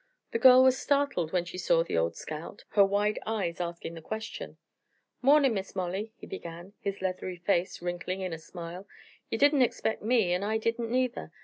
The girl was startled when she saw the old scout, her wide eyes asking her question. "Mornin', Miss Molly!" he began, his leathery face wrinkling in a smile. "Ye didn't expect me, an' I didn't neither.